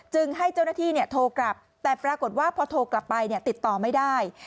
ให้เจ้าหน้าที่โทรกลับแต่ปรากฏว่าพอโทรกลับไปติดต่อไม่ได้